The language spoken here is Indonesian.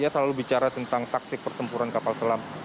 saya selalu bicara tentang taktik pertempuran kapal selam